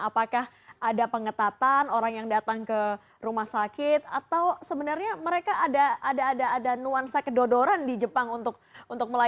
apakah ada pengetatan orang yang datang ke rumah sakit atau sebenarnya mereka ada ada ada nuansa kedodoran di jepang untuk melayani